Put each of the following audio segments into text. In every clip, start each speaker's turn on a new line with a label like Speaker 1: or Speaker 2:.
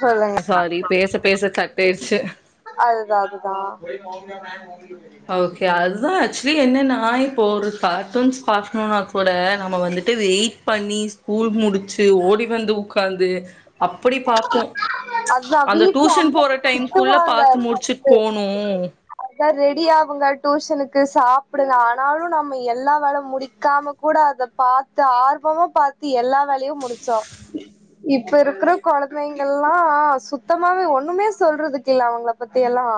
Speaker 1: சொல்லுங்க
Speaker 2: சாரி பேச பேச தட்டிருச்சு
Speaker 1: வா
Speaker 2: ஓகே அதுதான்ச்சு இது என்ன நாய் போற சாக பூன்ஸ் பார்க்கணும்னா கூட நம்ம வந்துட்டு வெயிட் பன்னீர் ஸ்கூல் முடிச்சு ஓடி வந்த உக்காந்து அப்படி பார்ப்போம்
Speaker 1: அதுதா
Speaker 2: அந்த
Speaker 1: வீட்ல
Speaker 2: டியூஷன்
Speaker 1: அம்மா
Speaker 2: போற டைம்க்குள்ளே
Speaker 1: திட்டுவாங்க
Speaker 2: பார்த்து முடிச்சுட்டு
Speaker 1: ஃபஸ்ட்டு
Speaker 2: போணும்
Speaker 1: அதா ரெடி டியூஷனுக்கு சாப்பிட ஆனாலும் நம்ம எல்லா வேலை முடிக்காம கூட அத பாத்து ஆர்வமா பாத்து எல்லா வேலையும் முடிச்சோம் இப்ப இருக்கிற குழந்தைங்கெல்லாம் சுத்தமாவே ஒண்ணுமே சொல்றதுக்கு இல்லே அவங்கள பத்தி எல்லாம்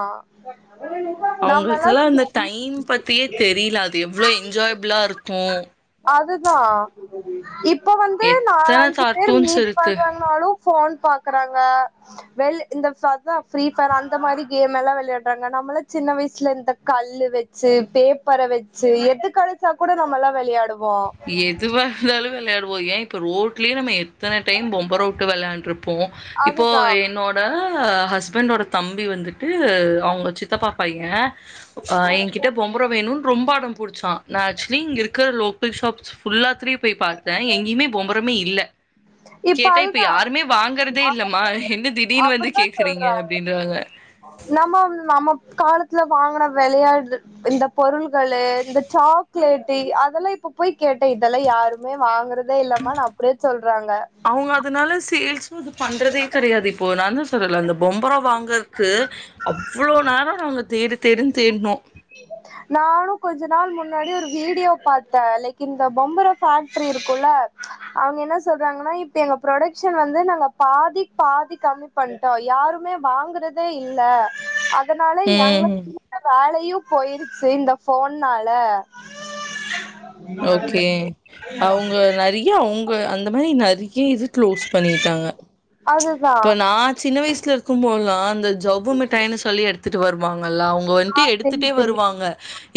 Speaker 2: அவங்களுக்கெல்லாம் அந்த டைம் பத்தியே தெரியல எவ்வளவு என்ஜாய்பிளா இருக்கும்
Speaker 1: இப்ப இப்ப வந்து நாலஞ்சு பேர்
Speaker 2: கார்ட்டூன்ஸ்
Speaker 1: மீட்
Speaker 2: இருக்கு
Speaker 1: நடுஃபோன் [unintelligible] பாக்குறாங்க வெள்இந்த ஃபிரீ அந்த மாதிரி கேம் எல்லாம் விளையாடுறாங்க நம்ம சின்ன வயசுல இந்த கல்லு வச்சு பேப்பரை வச்சு எத் கழிச்சா கூட நம்ம எல்லாம் விளையாடுவோம்
Speaker 2: எதுவா இருந்தாலும் விளையாடு ஏன் இப்ப ரோட்லேய நம எ எத்தனை டைம் பொம்பரம் விட்டு விளையாண்டுருப்போம் இப்போ
Speaker 1: அதுதா
Speaker 2: என்னோட ஹஸ்பண்டோட தம்பி வந்துட்டு அவங்க சித்தப்பா பைய என்கிட்ட பொம்பரம் வேணும்னு ரொம்ப அடம் புடிச்சான் ந ஆக்ச்சுவலி இங்க இருக்கிற லோக் ஸாப்ஸ் ஃபுல்லாத்திலயும் போய் பார்த்தேன் எங்கேயமே பொம்பரமே இல்லை
Speaker 1: இப்ப அதுதான்
Speaker 2: இல்லம்மா. என்ன திடீர்னு வந்து
Speaker 1: அப்படித்தான்
Speaker 2: கேட்குறீங்க?"
Speaker 1: சொல்றாங்க
Speaker 2: அப்படின்றாங்க.
Speaker 1: நம்ம நம்ம காலத்துல வாங்கின விளையாடு இந்த பொருள்களு இந்த சாக்லேட்டு் அதெல்லாம் இப்ப போய் கேட்டேன் இதெல்லாம் யாருமே வாங்குறது அத இல்லமா நான் அப்படியே சொல்றாங்க
Speaker 2: அவங்க அதனால சேரி இது பண்றதே கிடையாது இப்போ நான்தா சரியல அந்த பொம்பர வாங்கறதுக்கு அவ்வளவு நேரம் நாங்க தேடு தேடுன்னு தேடனோம்
Speaker 1: நானும் கொஞ்ச நாள் முன்னாடி ஒரு வீடியோ பார்த்தேன் லைக் இந்த பொம்பர ஃபேக்டரி இருக்கும்ல்ல அவங்க என்ன சொல்றாங்கன்னா இப்ப எங்க ப்ரொடக்ஷன் வந்து நாங்க பாதி பாதி கம்மி பண்ணிட்டோம் யாருமே வாங்குறதே இல்ல அதனால
Speaker 2: ம்
Speaker 1: எங்களுக்கு வேலையும் போயிருச்சு இந்த ஃபோன்னால
Speaker 2: ஓகே அவங்க நிறையா உங்க அந்த மாதிரி நரி இது க்ளோஸ் பண்ணிட்டாங்க
Speaker 1: அதுதா
Speaker 2: இப்ப நான் சின்ன வயசுல இருக்கும்போதுலாம் அந்த ஜவ்வு மிட்டாயன்னு சொல்லி எடுத்து வருவாங்க ல்ல அவங்க வந்துட்டு
Speaker 1: தெரியு
Speaker 2: எடுத்துட்டே
Speaker 1: தெரியு
Speaker 2: வருவாங்க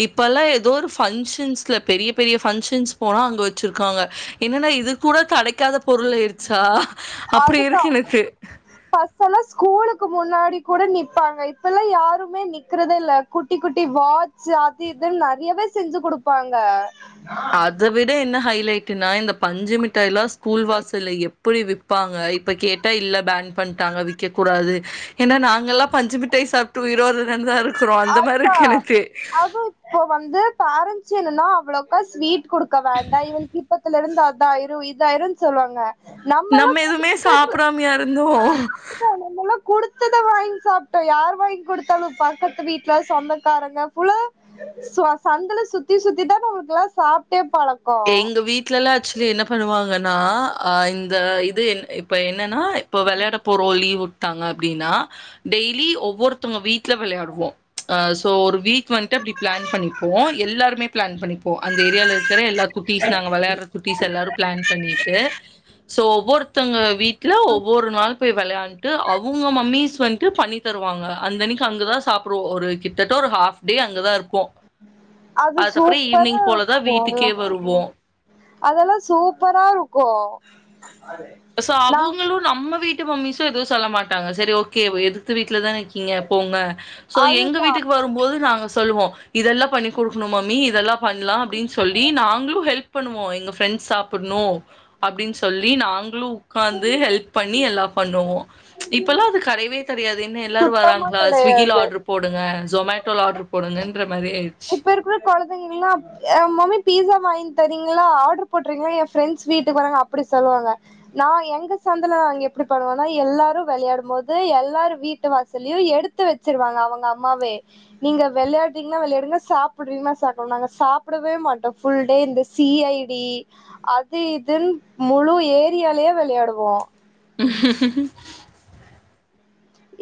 Speaker 2: இப்பல்லாம் ஏதோ ஃபங்ஸன்ஸ்ல பெரிய பெரிய ஃபங்க்ஷன்ஸ் போனா அங்க வச்சிருக்காங்க. என்னன்னா இது கூட கெடெக்காத பொருள் ஆய்டுச்சா அப்டி இருக்கு எனக்கு
Speaker 1: அப்பல்லா ஸ்கூலுக்கு முன்னாடி கூட நிப்பாங்க. இப்பெல்லா யாருமே நிக்கறதே இல்ல. குட்டி குட்டி வாட்ச் அது இதுன் நெறையாவே செஞ்சு குடுப்பாங்க.
Speaker 2: அத விட என்ன ஹைலைட்னா இந்த பஞ்சுமிட்டாய்லா ஸ்கூல் வாசல்ல எப் பொடி விப்பாங்க. இப்ப கேட்டா இல்ல பேன் பண்ணிட்டாங்க விக்கக் கூடாது. ஏன்னா நாங்கல்லா பஞ்சு மிட்டாய் சாப்ட்டு உயிரோடதான்டா இருக்
Speaker 1: அதா அதுவு இப்ப வந்து பேரண்ட்ஸ் என்னன்னா அவ்ளோக்கா ஸ்வீட் குடுக்க வேண்டா. இவ்ளோ கிட்டத்தில இருந்து அது இதாயிரும் இதாயிரும்னு சொல்வாங்க.
Speaker 2: நம்ம எதுவுமே சாப்பிடாமயா இருந்தோ.
Speaker 1: நம்மல்லா குடுத்தத வாங்கி சாப்பிட்டோ. யார் வாங்கி கொடுத்தாலும் பக்கத் து வீட்ல சொந்தக்காரங்கக்குள்ள சந்துல சுத்தி சுத்தி தா நமக்கெல்லா சாப்ட்டே பழக்கோ
Speaker 2: எங்க வீட்ல எல்லா ஆக்சுவலி என்ன பண்ணுவாங்கன் னா இந்த இது என் இப்ப என்ன என்னன்னா இப்ப வெளையாடப் போறோ இப்ப லீவ் விட்டாங்க அப்டின்னா டெய்லி ஒவ்வொருத்தவங்க வீட்ல விளையாட்வோ. ஒரு வீக் வந்துட் அப்டி பிளான் பண்ணிப்போ. எல்லாருமே பிளான் பண்ணிப்போ. அந்த ஏரியால இருக்ற குட்டிஸ் நாங்க வெளையாட்ற குட்டிஸ் எல்லாரு பிளான் பண்ணிட் ஸோ ஒவ்வொருத்தங்க வீட்ல ஒவ்வொரு நாள் போய் வெளையாண்ட் அவங்க மம்மீஸ் வந்துட் பண்ணி தருவாங்க அந்தன்னிக்கி அங்க தா சாப்ட்வோ. ஒரு கிட்டத்தட்ட ஒரு ஹாப் டே அங்கதா இருப்போ.
Speaker 1: அது
Speaker 2: அதுக்கப்றம்
Speaker 1: சூப்பரா
Speaker 2: ஈவினிங் போலதா
Speaker 1: இருக்குல்ல
Speaker 2: வீட்டுக்கே வருவோ
Speaker 1: அதெல்லா சூப்பரா இருக்கூ
Speaker 2: ஸோ அவங்ளும் நம்ம வீட் மம்மிஸும் எதுவு சொல்ல மாட்டாங்க. சரி ஓகே எதித்த வீட் வீட்ல தா இருக்கீங்க போங்க. ஸோ எங்க
Speaker 1: அதுதா
Speaker 2: வீட்க்கு வரும்போது நாங்க சொல்லுவோ. இதெல்லா பண்ணி குடுக்கணு மாம்மி இதெல்லா பண்ணலா அப்டின் சொல்லி நாங்களும் ஹெல்ப் பண்ணுவோ. எங்க ஃப்ரெண்ட்ஸ் சாப்ட்ணு அப்டின் சொல்லி நாங் லு உக்காந்து ஹெல்ப் பண்ணி எல்லா பண்ணுவோ. இப்பல்லா அது கெடெயவே கெடெயாது. இன்னு எல்லாரு
Speaker 1: சுத்தமா
Speaker 2: வராங்ளா
Speaker 1: கெடையாது
Speaker 2: ஸ்விக்கில ஆர்டரு போடுங்க. ஜொமேட்டோல ஆர்டர் போடுங்கன்ற மாரி ஆயிடுச்சு.
Speaker 1: இப்ப இருக்கிற குழந்தைங்கவீங்களா மம்மி பீஸா வாங்கி தரீங்களா ஆர்டர் போட்டறீங்களா என் ஃரெண்ட்ஸ் வீட்டுக்கு வராங்க அப்படி சொல்லுவாங்க நான் எங்க சந்தல நாங்க எப்படி பண்ணுவோன்னா எல்லாரும் விளையாடும் போது எல்லாரும் வீட்டு வாசலயும் எடுத்து வச்சிருவாங்க அவங்க அம்மாவே நீங்க விளையாடுறீங்கன்னா விளையாடுங்க சாப்பிடுறீமா சாப்போம் நாங்க சாப்பிடவே மாட்டோம் ஃபுல்டே இந்த சி ஐ டி அது இதுன்னு முழு ஏரியாலயே விளையாடுவோம்
Speaker 2: உ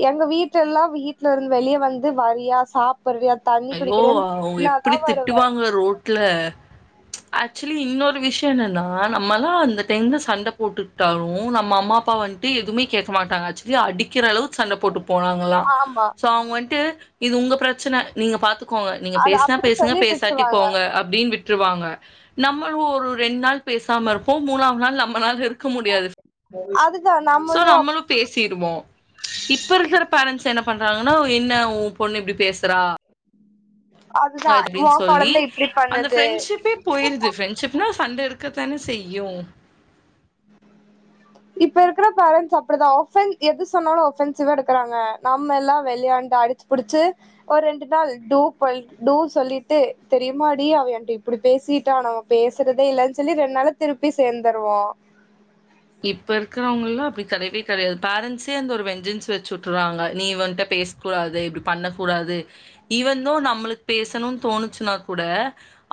Speaker 1: எங்க வீட்டு எல்லாம் வீட்டுல இருந்து வெளியே வந்து வரியா சாப்ப
Speaker 2: ஐயோ அவங்க எப்படி
Speaker 1: வருவ
Speaker 2: திட்டுவாங்க ரோடல ஆக்சுவலி இன்னொரு விஷயம் என்னன்னா நம்மளாம் அந்த டைந்தில் சண்டை போட்டுட்டாலும் நம்ம அம்மா அப்பா வந்துட்டு எதுவுமே கேட்க மாட்டாங்க ஆக்சுவலி அடிக்கிற அளவுக்கு சண்ட போட்டு போனாங்கல்லாம்
Speaker 1: ஆமா
Speaker 2: சோ அவங்க வந்துட்டு இது உங்க பிரச்சனை நீங்க பார்த்து ங்க நீங்க
Speaker 1: அது
Speaker 2: பேசினா
Speaker 1: அப்டி
Speaker 2: பேசுங்க
Speaker 1: சொல்லி
Speaker 2: பேசாட்டி
Speaker 1: விட்டுருவாங்க
Speaker 2: போங்க அப்படின்னு விட்டுருவாங்க நம்ம ஒரு ரெண்டு நாள் பேசாம இருப்போம் மூணாவது நாள் நம்ம நாள் இருக்கு இருக்க முடியாது சோ நம்மளு பேசிருவோ இப்ப இருக்கிற பேரன்ட்ஸ் என் என்ன பண்றாங்கன்னா என்ன உ பொண்ணு இப்படி பேசுறா
Speaker 1: அதுதா ஓ
Speaker 2: அப்டின்னு சொல்லி
Speaker 1: கொழந்த இப்டி
Speaker 2: அந்த
Speaker 1: பண்ணுது
Speaker 2: ஃப்ரெண்ட்ஷிப்பே போயிருது ஃப்ரெண்ட்ஷிப்னா வந்து எடுக்க தானே செய்யு
Speaker 1: இப்ப இருக்கிற பேரன்ட்ஸ் அப்டிதா ஆஃபன் எது சொன்னாலு ஒஃபன்சிவா எடுக்கிறாங்க நம்ம எல்லா வெளையாண்டு அடிச்சு புடிச்சு ஒரு ரெண்டு நாள் டூ போய் டூ சொல்லிட்டு தெரியுமாடி அவ எண்ட்ட இப்படி பேசிட்டா நம்ம பேசுறதே இல்லன் சொல்லி ரெண்டு நாள்ள திருப்பி சேந்துருவோ
Speaker 2: இப்ப இருக்கறவங்க எல்லா அப்படி கெடையவே கெடையாது பேரண்ட்ஸே அந்த ஒரு வெஞ்சன்ஸ் வச்சு உட்றாங்க நீ இவன்ட்ட பேச கூடாது ப்படி பண்ணக்க கூடாது ஈவன் தோ நம்மளுக் பேசணுன் தோணுச்சுனா கூட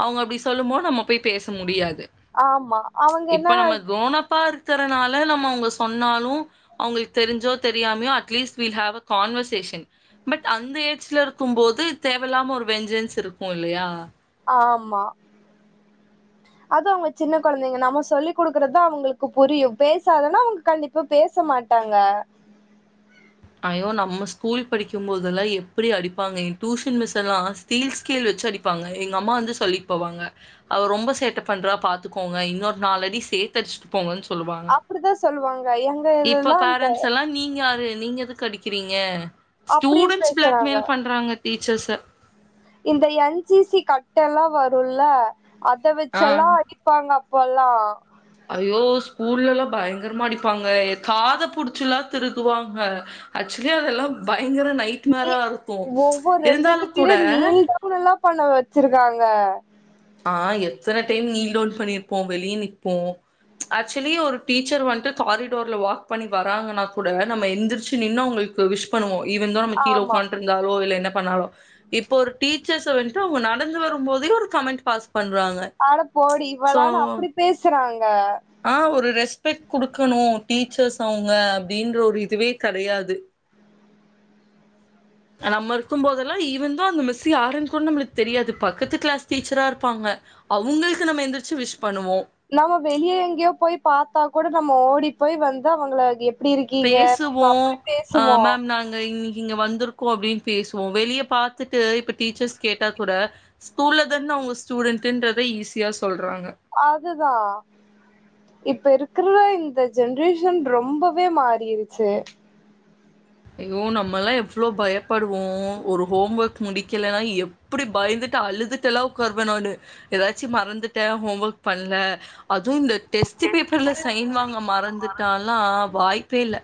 Speaker 2: அவங்க அப்படி சொல்லுபோ நம்ம போய் பேச முடியாது
Speaker 1: ஆமா அவங்க என்ன
Speaker 2: இப்ப நம்ம கோனப்பா இரு க்கிறனால நம்ம அவங்க சொன்னா ளு அவங்களுக்கு தெரிஞ்சோ தெரியாமையோ uh please we have a conversation but அந்த ஏஜ்ல இருக்கும் போது தேவலாம ஒரு வெஞ்சன்ஸ் இருக்கு இல்லையா
Speaker 1: ஆமா அது அவங்க சின்ன கொழந்தைங்க நம்ம சொல்லிக் கொடுக்குறதுதா அவங்களுக்கு புரியு பேசாதன்னா அவங்க கண்டிப்பா பேச மாட்டாங்க
Speaker 2: ஐயோ நம்ம ஸ்கூல் படிக்கும்போதெல்லா எப்படி அடிப்பாங்க என் டியூஷன் மிஸ் எல்லா ஸ்டீல் ஸ்கேல் வச்சு அடிப்பாங்க எங்க அம்மா வந்து சொல்லிட்டு போவாங்க அவ ரொம்ப சேட்ட பண்றா பாத்துக்கோங்க இன்னொரு நாளடி சேத்து அடிச்சுட்டு போங்கன் சொ
Speaker 1: அப்படிதா சொல்லுவாங்க எங்க
Speaker 2: இப்ப
Speaker 1: இதுலெல்லா இந்த
Speaker 2: பேரன்ட்ஸ் எல்லாம் "நீங்க யாரு? நீங்க துக் கடிக்கிறீங்க
Speaker 1: அப்படின்னு பேசுறாங்க
Speaker 2: டீச்சர்ஸ.
Speaker 1: இந்த என் சி சி கட் ட்டல்லா வருல்ல அத
Speaker 2: ஆ.
Speaker 1: வச்செல்லா அடிப்பாங்க போலா
Speaker 2: ஐயோ ஸ்கூல்ல எல்லா பயங்கரமா அடிப்பாங்க காத புடிச்சுலா திருகுவாங்க ஆக்சுவலி அதெல்லா ப யங்கர நைட் மேரா
Speaker 1: நீ-
Speaker 2: இருக்கு
Speaker 1: ஒவ்வொரு ரெண்டு
Speaker 2: இருந்தாலு
Speaker 1: ரெண்டு
Speaker 2: கூட
Speaker 1: பீரியட் நீல் டவுன் எல்லாம் பண்ண வச்சிருக்காங்க
Speaker 2: ஆஹ் எத்தன டைம் நீல் டவுன் பண்ணிருப்போ வெளிய நிப்போ ஆக்சுவலி ஒரு டீச்சர் வந்துட்டு காரிடோர்ல வாக் பண்ணி வராங்கன்னா கூட நம்ம எந்திருச்சு நின்னு அவுங்களுக்கு விஷ் பண்ணுவோம் ஈவன் தோ நம்ம கீழ
Speaker 1: ஆமா
Speaker 2: உட்கான்ட்ருந்தாலோ இல்ல என்னப் பண்ணாலோ இப்போ ஒரு டீச்சர்ஸ வந் து அவங்க நடந்து வரும் போதே ஒரு கமெண்ட் பஸ்
Speaker 1: அட போடி இவளானு அப்படி பேசுறாங் க
Speaker 2: ஆஹ் ஒரு ரெஸ்பெக்ட் குடுக்கணு டீச்சர்ஸ் அவுங்க அப்படின்ற ஒரு இதுவே கெடையாது நம்ம இருக்கும் போதெல்லா ஈவன் தோ அந்த மிஸ் யாருன் கூட நம்மளுக் தெரியாது பக்கத்து கிளாஸ் டீச்சரா இருப்பாங்க அவங்களுக்கு நம்ம எந்திரிச்சு விஷ் பண்ணுவோ
Speaker 1: நம்ம வெளிய எங்கேயோ போய் பாத்தா கூட நம்ம ஓடி போய் வந்து அவங்கள எப்படி இருக்கீங்க
Speaker 2: பேசுவோ
Speaker 1: அப்படி
Speaker 2: ஆ
Speaker 1: பேசுவோம்
Speaker 2: மேம் நாங்க இன்னி இங்க வந்துருக்கோ அப்டீன் பேசுவோ வெளிய பாத்துட்டு இப்ப டீச்சர்ஸ் கேட்டா கூட ஸ்கூல்ல தான அவுங்க ஸ்டூடெண்ட்டுன்றத ஈஸியா சொல்றாங்க
Speaker 1: அதுதா இப்ப இருக்குற இந்த ஜென்ரேஷன் ரொம்பவே மாறிருச்சு
Speaker 2: ஐயோ நம்மல்லா எவ்ளோ பயப்படுவோ ஒரு ஹோம் வொக் முடிக்கெலன்னா எப்டி பயந்துட்டு அழுதுட்டெல்லா உக்காருவ நானு ஏதாச்சி மறந்துட்ட ஹோம் ஒர்க் பண்ல அதுவு இந்த டெஸ்ட்டு பேப்பர்ல சைன் வாங்க மறந்துட்டால்லா வாய்ப்பே இல்ல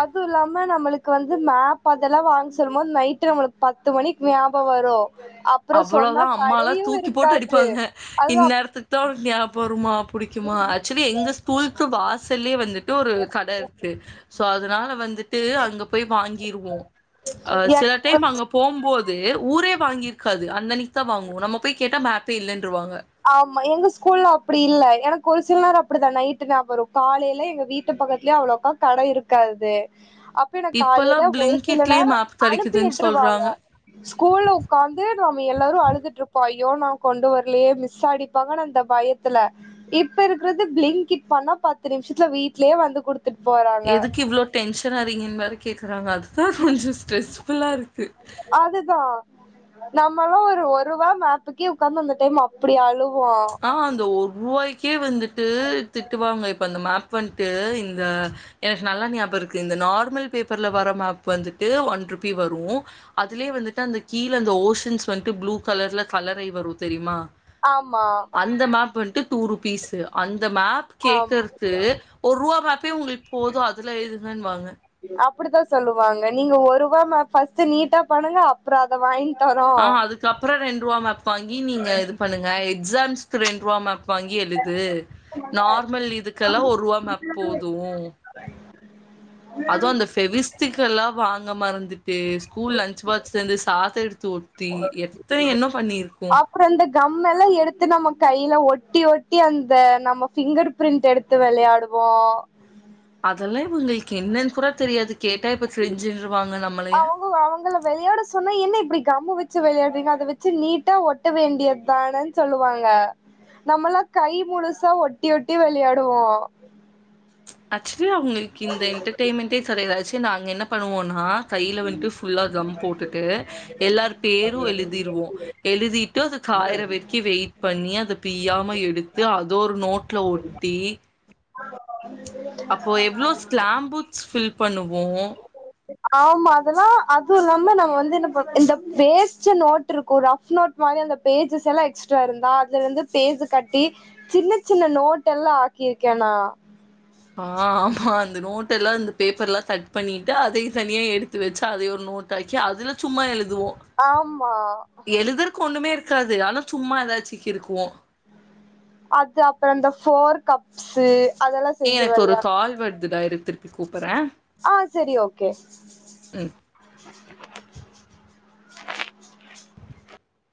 Speaker 1: அது இல்லாம நம்மளுக்கு வந்து மேப் அதெல்லா வாங் சொல்லும் போது நைட்டு நம்மளுக்கு பத்து மணிக் ஞாபகொ வரு அப்றொ சொன்னா கடையு இருக்கா
Speaker 2: பாங்க இன்னேரத்துக்தா ஒனக் ஞாபொ வருமா புடிக்குமா ஆச்சுலி எங்க ஸ்கூல்க்கு வாசல்லயே வந் ட்டு ஒரு கட இருக்கு சோ அதுனால வந்துட்டு அங்க போய் வாங்கிருவோ ஆ சில டைம் அங்க போம்போ து ஊரே வாங்கிற் காது அந்தன்னக் வாங்வோ நம்ம போய் கேட்டா இல்லைன்ருவாங்க
Speaker 1: ஆமா எங்க ஸ்கூல்ல அப்படி இல்ல எனக்கு ஒரு சில நேர அப்படிதா நைட்டு நாப வரு காலைல எங்க வீட்டு பக்கத்துலயே அவ்ளாக்கா கடை இருக்காது அப்ப எனக்கு காலைல
Speaker 2: இப்பலாம்
Speaker 1: ஒரு சில
Speaker 2: பிளிங்கிட்லயே
Speaker 1: நேர
Speaker 2: மேப்
Speaker 1: அனுப்பி
Speaker 2: கெடைக்குதுன்னு
Speaker 1: விட்ருவாங்க
Speaker 2: சொல்றாங்க.
Speaker 1: ஸ்கூல்ல உக்காந்து நாம எல்லாரு அழுதுட்ருப்பாய் யோ நா கொண்டு வர்லயே மிஸ் அடிப்பாங்கன் அந்த பயத்துல இப்ப இருக்கிறது பிளிங்க் இட் பண்ணா பத்து நிமிஷத்துல வீட்லயே வந்து குடுத்
Speaker 2: எதுக்கு இவ்வள டென்ஷன் ஆறிங்கன் வேற கேக்கறாங்க அதுதா கொஞ்ச ஸ்ட்ரெஸ்ஃபுல்லா இருக்கு
Speaker 1: நம்மளா ஒரு ஒருவா மேப்புக்கே உக்காந்து அந்த டைம் அப்படி அழு
Speaker 2: ஆ அந்த ஒர்ருவாய்க்கே வந்து ட்டு திட்டுவாங்க இப்ப அந்த மேப் புன்ட்டு இந்த எனக்கு நல்லா ஞாபக இருக்கு இந்த நார்மல் பேப்பர்ல வர மேப் வந்து ட்டு ஒன் ருபி வரு அதுலயே வந்துட்டு அந்த கீழ அந்த ஓஷன்ஸ் வந்துட்டு ப்ளூ கலர்ல கலராயி வரு தெரிமா
Speaker 1: ஆமா
Speaker 2: டூ ருப்பீஸு அந் ந்த மேப்
Speaker 1: ஆமா
Speaker 2: கேக்கற்து ஒர் ருவா மேப்பே உங்களுக்கு போது அதுல எழுதுங்கன்னுவாங்க
Speaker 1: ப்டிதா சொல்லுவாங்க நீங்க ஒருவா மேப் ஃபஸ்ட்டு நீட்டா பண்ணுங்க அப்றொ அத வாய்ங்
Speaker 2: ஆ அதுக்கப்றொ ரெண் ருவா மேப் வாங்கி நீங்க இது பண்ணுங்க எக்ஸாம்ஸ்க்கு ரெண்ருவா மேப் வாங்கி எழுது நார்மல் இதுக்கெல்லா ஒருவா மேப் போது அது அந்த ஃபெவிஸ்டிக் எல்லா வாங் மறந் திட்டு ஸ்கூல் லன்ச் பாத்சேந்து சாதோ எடுத்து ஒத்தி எத்தன என்ன பண்ணிருக்கோ
Speaker 1: அப்றோ இந்த கம் எல்லா எடுத்து நம்ம கைல ஒட்டி ஒட்டி அந்த நம்ம ஃபிங்கர் பிரிண்ட் எடுத்து வெளையாடுவோ
Speaker 2: அதல்லா இவுங்கை என்னன்னு கூட தெரியாது கேட்டா இப்ப கிரிஞ்சின்ணுருவாங்க நம்மளைய
Speaker 1: அவங்க அவங்கள வெளையாட சொன்னா என்ன இப்டி கம்மு வச்சு விளையாட்றீங்க அத வெச்சு நீட்டா ஒட்ட வேண்டியது தானன் சொல்லுவாங்க நம்மல்லா கை முழுசா ஒட்டி ஒட்டி வெள்யாடுவோ
Speaker 2: அ அவங்கள்க்கு இந்த எண்ட்டர்டயின்மண்டே கடையில நாங் என்ன பண்ணுவோன்னா கையில வந்ட்டு ஃபுல்லா கம் போட்டுட்டு எல்லார் பேரு எழுதிடுவோ எழுதிட்டு அது காய்ற வெறுக்கி வெய் பண்ணி அத பிய்யாம எடுத்து அத ஒரு நோட்ல ஒட்டி அப்போ எவ்ளோ ஸ்லாம் ஃபுக்ஸ் ஃபில் பண்ணுவோ
Speaker 1: ஆமா அதெல்லா அது இல்லாம நம்ம வந்து என்ன இந்த பேஜ நோட் இருக்குமல ரப் நோட் மாதிரி அந்த பேஜஸ் எல்லா எக்ஸ்ட்ரா இருந்தா அதுல இருந்து பேஜ் கட்டி சின்ன சின்ன நோட் எல்லா ஆக்கிருக்க நா
Speaker 2: அ ஆமா அந்த நோட எல்லா இந்த பேப்பர்லா கட் பண்ணிட்டு அதே தனியா எடுத்து வச்சு அதே ஒரு நோட் ஆக்கி அதுல சும்மா எழு
Speaker 1: ஆமா
Speaker 2: காது ஆனா சும்மா எதாச்சு கிருக்குவோ
Speaker 1: அது அப்பற இந்த ஃபோர் கப்ஸு அதல்லா செஞ்சு
Speaker 2: எனக்கு ஒரு
Speaker 1: விளையா
Speaker 2: கால் வருதுடா இரு திருப்பி கூப்பறே
Speaker 1: அ சரி ஓகே
Speaker 2: ம்